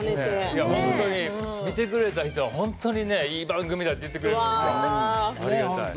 本当に見てくれた人は本当にいい番組だって言ってくれる。